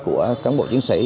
của cán bộ chiến sĩ